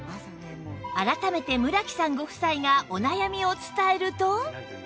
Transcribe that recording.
改めて村木さんご夫妻がお悩みを伝えると